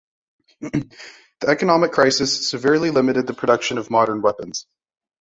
The economic crisis severely limited the production of modern weapons.